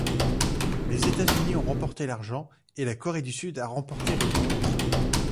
Les États-Unis ont remporté l'argent et la Corée du Sud a remporté le bronze.